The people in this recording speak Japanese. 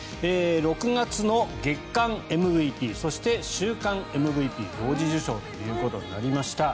６月の月間ＭＶＰそして週間ＭＶＰ同時受賞ということになりました。